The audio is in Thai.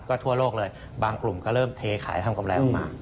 ก็ทั่วโลกเลยบางกลุ่มก็เริ่มเทขายทำกำไรออกมา